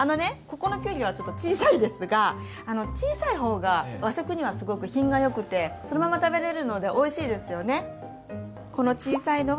ここのきゅうりはちょっと小さいですが小さい方が和食にはすごく品が良くてそのまま食べれるのでおいしいですよね。